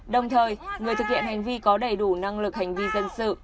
đồng thời người thực hiện hành vi có đầy đủ năng lực hành vi dân sự